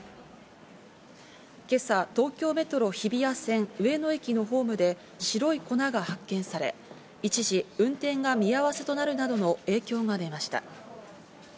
今朝、東京メトロ日比谷線・上野駅のホームで、白い粉が発見され、一時、運転が見合わせとなるなどの影響が出ました。